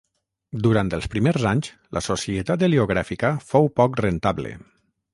Durant els primers anys, la Societat Heliogràfica fou poc rentable.